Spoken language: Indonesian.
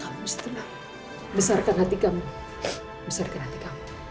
kamu setengah besarkan hati kamu besarkan hati kamu